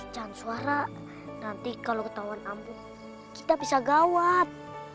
pecahan suara nanti kalau ketahuan ampun kita bisa gawat